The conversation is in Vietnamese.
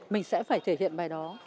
mình sẽ phải thể hiện bài đó